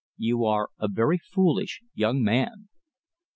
"You are a very foolish young man!"